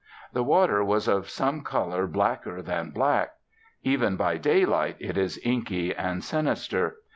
The water was of some colour blacker than black. Even by daylight it is inky and sinister.